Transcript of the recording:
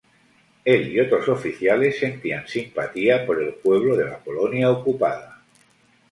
Él y otros oficiales sentían simpatía por el pueblo de la Polonia ocupada.